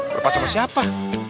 berempat sama siapa